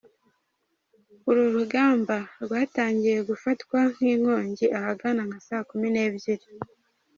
Uru ruganda rwatangiye gufatwa n’inkongi ahagana saa kumi n’ebyiri.